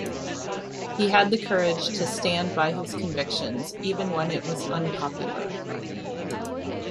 He had the courage to stand by his convictions, even when it was unpopular.